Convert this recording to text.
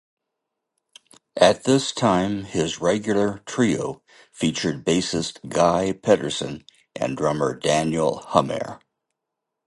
At this time, his regular trio featured bassist Guy Pedersen and drummer Daniel Humair.